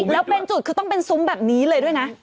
แล้วเป็นจุดคือต้องเป็นซุ้มแบบนี้เลยด้วยนะ